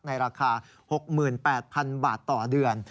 ในราคา๖๘๐๐๐บาทต่อเดือน